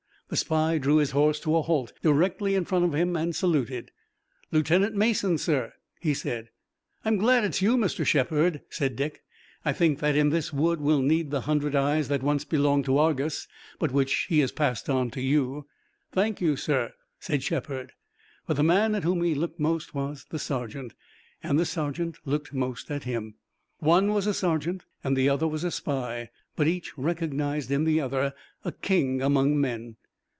The spy drew his horse to a halt directly in front of him and saluted: "Lieutenant Mason, sir?" he said. "I'm glad it's you, Mr. Shepard," said Dick. "I think that in this wood we'll need the hundred eyes that once belonged to Argus, but which he has passed on to you." "Thank you, sir," said Shepard. But the man at whom he looked most was the sergeant, and the sergeant looked most at him. One was a sergeant and the other was a spy, but each recognized in the other a king among men.